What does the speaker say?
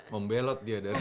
membelot dia dari bulutang